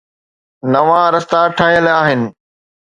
نوان رستا ٺهيل آهن.